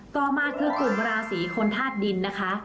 ต่อมาคือกลุ่มราศีคนธาตุดินนะคะ